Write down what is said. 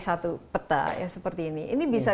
satu peta ya seperti ini ini bisa